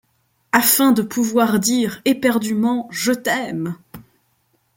Afin de pouvoir dire éperdument : Je t'aime !